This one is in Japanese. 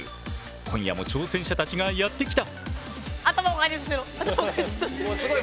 今夜も挑戦者たちがやって来た！